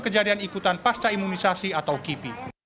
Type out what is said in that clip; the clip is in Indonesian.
kejadian ikutan pasca imunisasi atau kipi